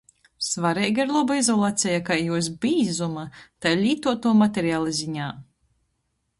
Svareiga ir loba izolaceja kai juos bīzuma, tai lītuotuo materiala ziņā.